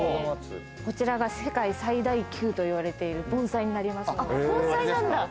こちらが世界最大級といわれている盆栽になります。